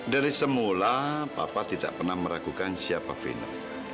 dari semula papa tidak pernah meragukan siapa fina